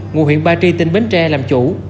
ngụ huyện ba tri tỉnh bến tre làm chủ